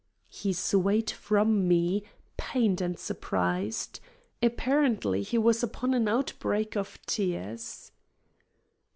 He swayed from me, pained and surprised. Apparently he was upon an outbreak of tears.